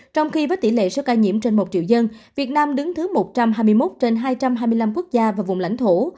trong khi với tỷ lệ số ca nhiễm trên một triệu dân việt nam đứng thứ một trăm hai mươi một trên hai trăm hai mươi năm quốc gia và vùng lãnh thổ